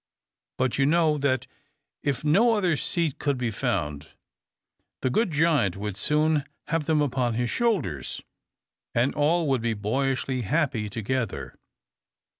But you know that if no other seat could be found, the good giant would soon have them upon his shoulders, and all would be boyishly happy together.